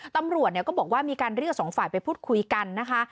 ตำรวจก็บอกว่ามีการเรียกสองฝ่ายไปพูดคุยกันนะคะ